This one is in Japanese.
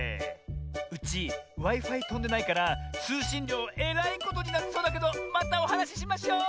うちＷｉ−Ｆｉとんでないからつうしんりょうえらいことになりそうだけどまたおはなししましょう！